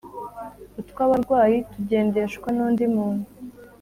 utw'abarwayi tugendeshwa n'undi muntu